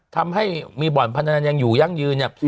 ทำให้มีบ่อนพนันยังอยู่ยั่งยืนเนี่ย